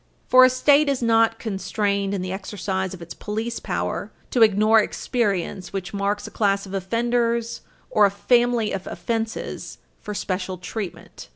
For a State is not constrained in the exercise of its police power to ignore experience which marks a class of offenders or a family of offenses for special treatment.